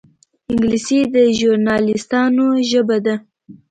انګلیسي د ژورنالېستانو ژبه ده